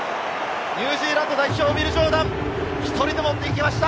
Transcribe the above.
ニュージーランド代表、ウィル・ジョーダン、１人で持っていきました！